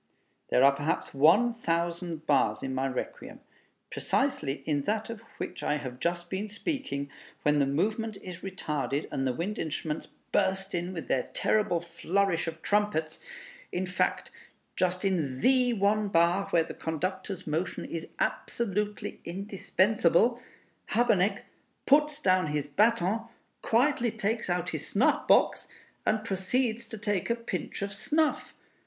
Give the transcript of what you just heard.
There are perhaps one thousand bars in my Requiem. Precisely in that of which I have just been speaking, when the movement is retarded, and the wind instruments burst in with their terrible flourish of trumpets; in fact, just in the one bar where the conductor's motion is absolutely indispensable, Habeneck puts down his baton, quietly takes out his snuff box, and proceeds to take a pinch of snuff.